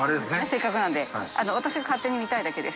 せっかくなんで。